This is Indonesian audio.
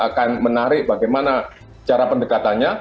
akan menarik bagaimana cara pendekatannya